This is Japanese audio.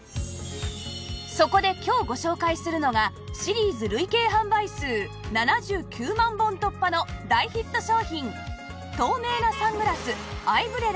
そこで今日ご紹介するのがシリーズ累計販売数７９万本突破の大ヒット商品